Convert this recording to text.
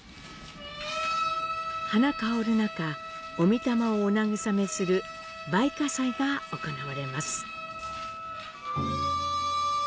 花薫る中、お御霊をお慰めする梅花祭が行われます。